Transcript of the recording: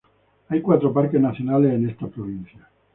Hay cuatro parques nacionales en esta provincia.